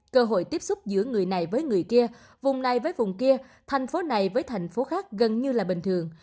cơ hội tiếp xúc giữa người này với người kia vùng này với vùng kia thành phố này với thành phố khác gần như là bình thường